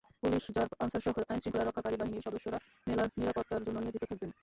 Police, RAB, আনসারসহ আইনশৃঙ্খলা রক্ষাকারী বাহিনীর সদস্যরা মেলার নিরাপত্তার জন্য নিয়োজিত থাকবেন।